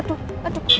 aduh aduh aduh